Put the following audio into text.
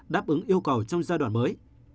đáp ứng yêu cầu trong giai đoạn mới